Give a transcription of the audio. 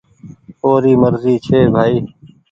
اوري مرزي ڇي ڀآئي۔